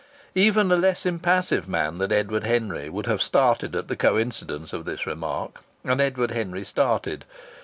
Even a less impassive man than Edward Henry would have started at the coincidence of this remark. And Edward Henry started.